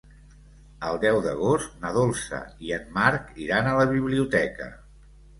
El deu d'agost na Dolça i en Marc iran a la biblioteca.